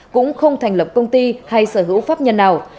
cũng không thành lập công ty hay sở hữu pháp nhân nào